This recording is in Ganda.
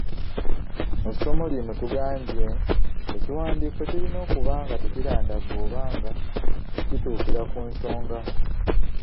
Mu ssomo lino tugambye ekiwandiiko kirina okuba nga tekirandagga oba nga kituukira ku nsonga.